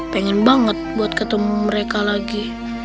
pengen banget buat ketemu mereka lagi